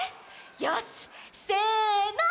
よしせの！